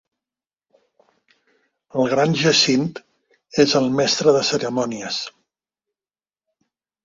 El gran jacint és el mestre de cerimònies.